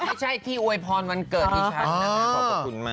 ไม่ใช่ที่อวยพรวันเกิดชั้นนะ